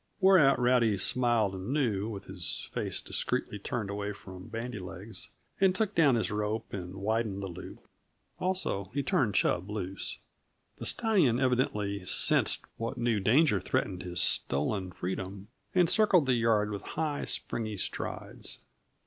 Whereat Rowdy smiled anew, with his face discreetly turned away from Bandy legs, and took down his rope and widened the loop. Also, he turned Chub loose. The stallion evidently sensed what new danger threatened his stolen freedom, and circled the yard with high, springy strides.